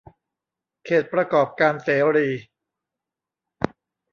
เขตประกอบการเสรี